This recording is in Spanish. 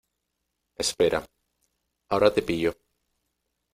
espera, ahora te pillo.